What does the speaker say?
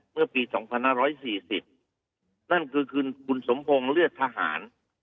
เมื่อปีสองพันห้าร้อยสี่สิบนั่นคือคืนคุณสมโพงเลือดทหาร